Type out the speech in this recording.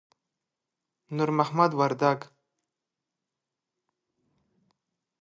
نور محمد وردک